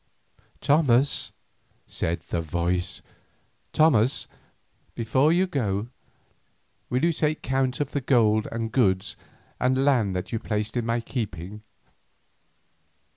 "Thomas," said the voice, "Thomas, before you go, will you not take count of the gold and goods and land that you placed in my keeping?"